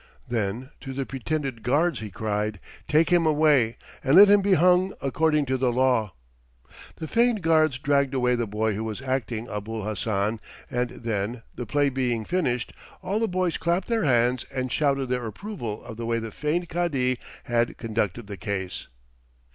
Then to the pretended guards he cried, "Take him away and let him be hung according to the law." The feigned guards dragged away the boy who was acting Abul Hassan and then, the play being finished, all the boys clapped their hands and shouted their approval of the way the feigned Cadi had conducted the case.